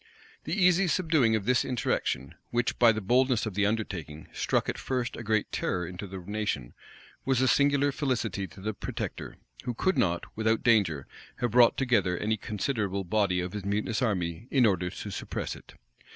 The easy subduing of this insurrection, which, by the boldness of the undertaking, struck at first a great terror into the nation, was a singular felicity to the protector; who could not, without danger, have brought together any considerable body of his mutinous army in order to suppress it.